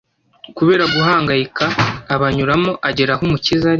Kubera guhangayika abanyuramo agera aho Umukiza ari.